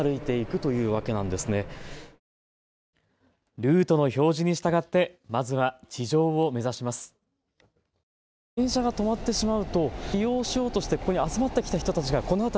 ルートの表示に従ってまずは地上を目指します。